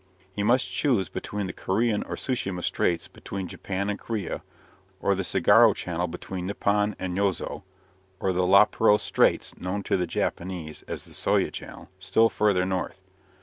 He must choose between the Korean or Tsu shima straits between Japan and Korea, or the Tsugaru channel between Nippon and Yozo, or the La Pérouse Straits (known to the Japanese as the Soya channel) still further north.